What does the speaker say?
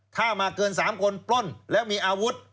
ถ้ามาเกิน๓คนปล้นแล้วมีอาวุธ